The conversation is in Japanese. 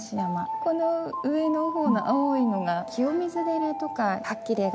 この上の方の青いのが清水寺とかはっきり描かれている。